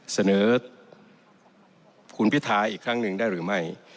เสนอคุณพิทาอีกครั้งหนึ่งได้หรือไม่